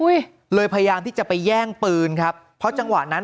เลยพยายามที่จะไปแย่งปืนครับเพราะจังหวะนั้น